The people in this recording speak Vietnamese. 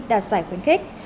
đạt giải khuyến khích